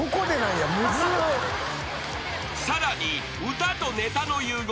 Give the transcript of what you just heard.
［さらに歌とネタの融合］